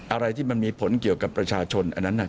อะไรที่มันมีผลเกี่ยวกับประชาชนอันนั้น